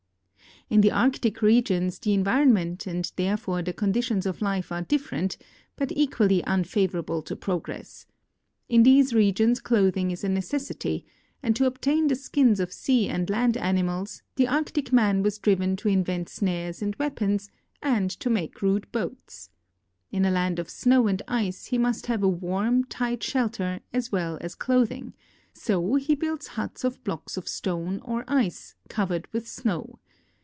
In the Arctic regions the environment and therefore the con ditions of life are different, but equally unfavorable to progress. In these regions clothing is a necessity, and to obtain the skins of sea and land animals the Arctic man was driven to invent snares and weapons and to make rude boats. In a land of snow and ice he must have a warm, tight shelter as well as clothing; so he builds huts of blocks of stone or ice covered with snow.